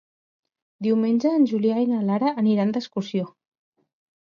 Diumenge en Julià i na Lara aniran d'excursió.